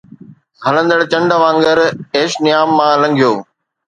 ھلندڙ چنڊ وانگر، ايش نيام مان لنگھيو